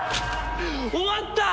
終わった。